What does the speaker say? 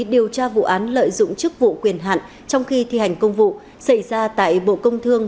điều tra vụ án lợi dụng chức vụ quyền hạn trong khi thi hành công vụ xảy ra tại bộ công thương